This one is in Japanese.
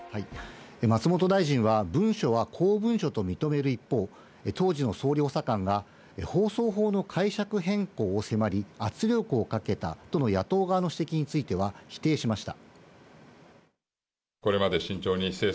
松本大臣は文章は公文書と認める一方、当時の総理補佐官が放送法の解釈変更を迫り、圧力をかけたとの野党側の指摘については、否定しました。